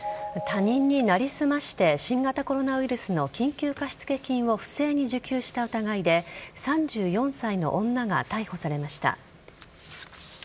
他人に成り済まして新型コロナウイルスの緊急貸付金を不正に受給した疑いで３４歳の女が逮捕されました。